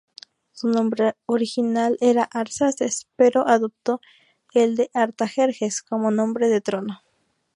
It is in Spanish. Su nombre original era Arsaces, pero adoptó el de Artajerjes como nombre de trono.